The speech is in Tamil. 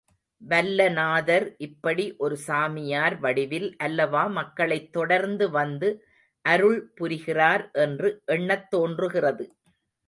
வல்லநாதர் இப்படி ஒரு சாமியார் வடிவில் அல்லவா மக்களைத் தொடர்ந்து வந்து அருள் புரிகிறார் என்று எண்ணத் தோன்றுகிறது.